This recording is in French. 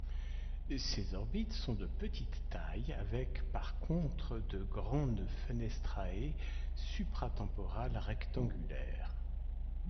Ses orbites sont de petite taille, avec, par contre, de grandes fenestrae supra-temporales rectangulaires.